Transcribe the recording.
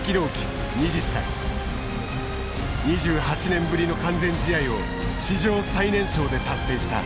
２８年ぶりの完全試合を史上最年少で達成した。